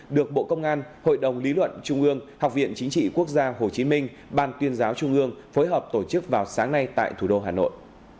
được bộ công an hội đồng lý luận trung ương học viện chính trị quốc gia hồ chí minh ban tuyên giáo trung ương phối hợp tổ chức vào sáng nay tại thủ đô hà nội